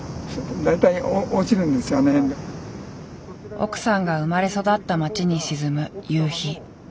奥さんが生まれ育った町に沈む夕日。